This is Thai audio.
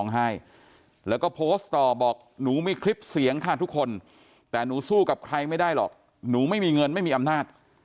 แล้วก็โพสต์ต่อบอกหนูมีคลิปเสียงค่ะทุกคนแต่หนูสู้กับใครไม่ได้หรอกหนูไม่มีเงินไม่มีอำนาจ